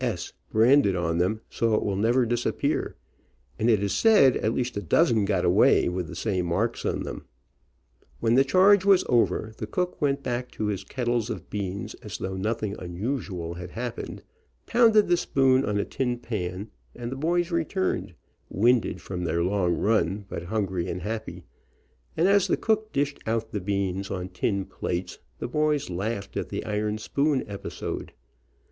S." branded on them so it will never disappear, and it is said at least a dozen got away with the same marks on them. When the charge was over the cook went back to his kettles of beans, as though nothing un usual had happened, pounded the spoon on a tin pan, and the boys returned, winded from their long run, but hungry and happy, and as the cook dished out the THE SOLDIER AND BRANDING IRON 17 beans on tin plates, the boys laughed at the iron spoon episode.